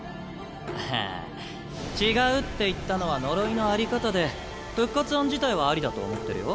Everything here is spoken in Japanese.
ああ「違う」って言ったのは呪いの在り方で復活案自体はありだと思ってるよ。